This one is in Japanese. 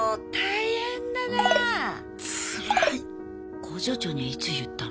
工場長にはいつ言ったの？